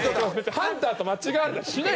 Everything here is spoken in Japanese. ハンターと間違えない。